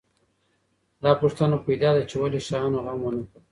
دا پوښتنه پیدا ده چې ولې شاهانو غم ونه کړ.